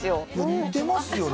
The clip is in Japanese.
似てますよね。